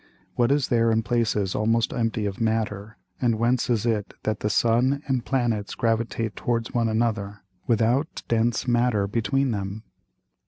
What is there in places almost empty of Matter, and whence is it that the Sun and Planets gravitate towards one another, without dense Matter between them?